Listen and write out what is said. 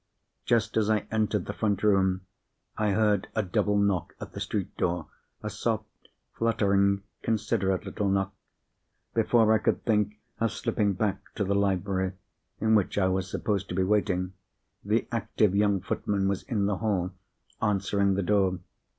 Just as I entered the front room, I heard a double knock at the street door—a soft, fluttering, considerate little knock. Before I could think of slipping back to the library (in which I was supposed to be waiting), the active young footman was in the hall, answering the door.